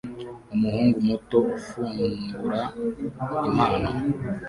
Umuhungu muto ufungura impano